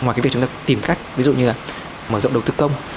ngoài cái việc chúng ta tìm cách ví dụ như là mở rộng đầu tư công